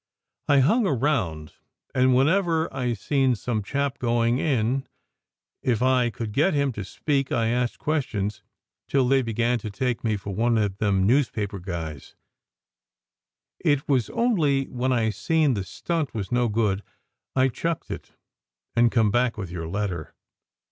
"I hung around, and whenever I seen some chap going in, if I could get him to speak I asked questions till they begun to take me for one of them newspaper guys. It was only when I seen the stunt was no good I chucked it and come back with your letter.